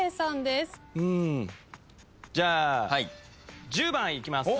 じゃあ１０番いきます。